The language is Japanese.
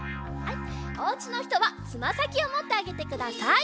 おうちのひとはつまさきをもってあげてください。